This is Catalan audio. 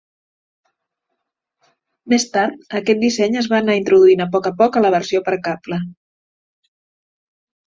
Més tard, aquest disseny es va anar introduint a poc a poc a la versió per cable.